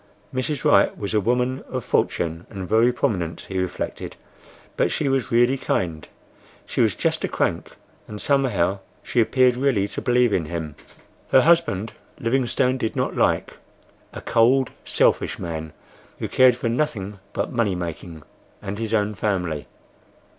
Mrs. Wright was a woman of fortune and very prominent, he reflected, but she was really kind; she was just a crank, and, somehow, she appeared really to believe in him. Her husband, Livingstone did not like: a cold, selfish man, who cared for nothing but money making and his own family.